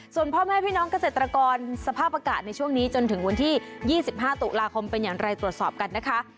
ส่วนพ่อแม่พี่น้องเกษตรกรสภาพอากาศในช่วงนี้จนถึงวันที่๒๕ตุลาคมเป็นอย่างไรตรวจสอบกันนะคะ